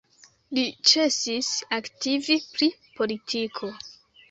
Li ĉesis aktivi pri politiko.